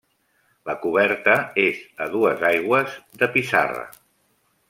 La coberta és a dues aigües de pissarra.